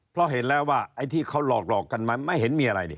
เพราะเห็นแล้วว่าไอ้ที่เขาหลอกกันมาไม่เห็นมีอะไรนี่